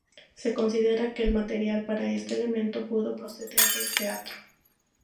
Se considera que el material para este elemento pudo proceder del Teatro.